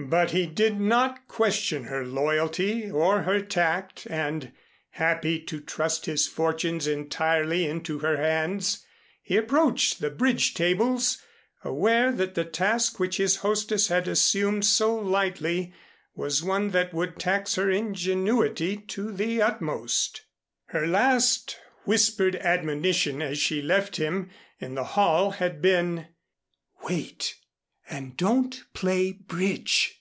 But he did not question her loyalty or her tact and, happy to trust his fortunes entirely into her hands, he approached the bridge tables aware that the task which his hostess had assumed so lightly was one that would tax her ingenuity to the utmost. Her last whispered admonition as she left him in the hall had been "Wait, and don't play bridge!"